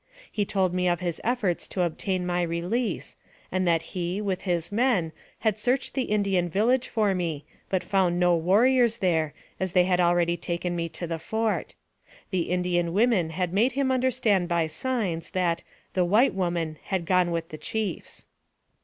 He told me of his efforts to obtain my release, and that he, with his men, had searched the Indian village for me, but found no warriors there, as they had already taken me to the fort. The Indian women had made him understand by signs that the " White Woman " had gone with the chiefs.